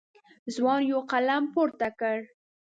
ځوان یو قلم پورته کړ.